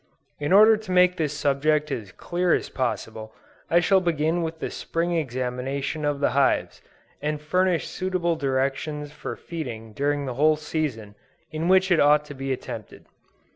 In order to make this subject as clear as possible, I shall begin with the Spring examination of the hives, and furnish suitable directions for feeding during the whole season in which it ought to be attempted.